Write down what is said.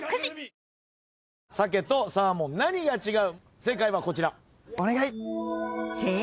正解はこちら。